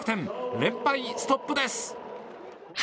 連敗ストップです。